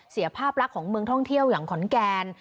เสียภาพลักษณ์ของเมืองท่องเที่ยวอย่างขอนแกน